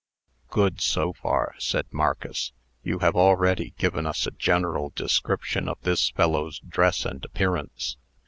"Good, so far," said Marcus. "You have already given us a general description of this fellow's dress and appearance.